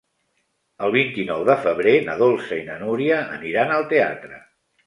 El vint-i-nou de febrer na Dolça i na Núria aniran al teatre.